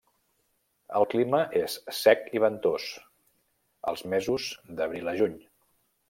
El clima és sec i ventós els mesos d'abril a juny.